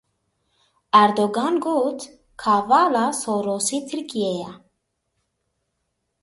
Erdogan got, Kavala Sorosê Tirkiyeyê ye.